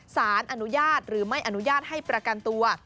สารอนุญาตหรือไม่อนุญาตให้ประกันตัว